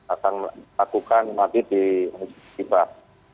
akan melakukan mabit di musibah